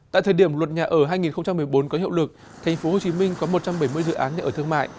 tại thời điểm luật nhà ở hai nghìn một mươi bốn có hiệu lực tp hcm có một trăm bảy mươi dự án nhà ở thương mại